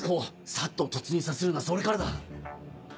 ＳＡＴを突入させるのはそれからだ。